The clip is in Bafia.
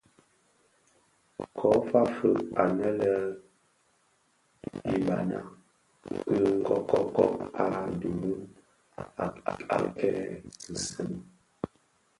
Ko fa fœug anè yè ibabana ki kōkōg a dhimum a kè nsèň.